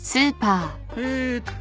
ええっと